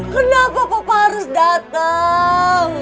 kenapa papa harus datang